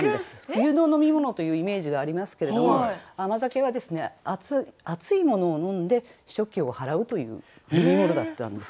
冬の飲み物というイメージがありますけれども甘酒はですね熱いものを飲んで暑気を払うという飲み物だったんです。